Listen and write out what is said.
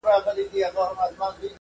o څه ژرنده پڅه وه، څه غنم لانده وه٫